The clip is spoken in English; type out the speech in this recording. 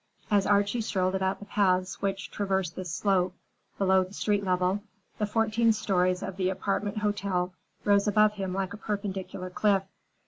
As Archie strolled about the paths which traversed this slope, below the street level, the fourteen stories of the apartment hotel rose above him like a perpendicular cliff.